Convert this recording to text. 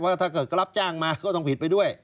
ถ้าเกิดก็รับจ้างมาก็ต้องผิดไปด้วย